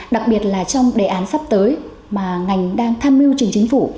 đặc biệt là trong đề án sắp tới mà ngành đang tham mưu trình chính phủ